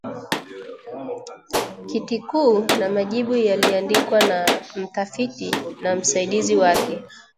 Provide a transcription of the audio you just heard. Kitikuu na majibu yaliandikwa na mtafiti na masidizi wake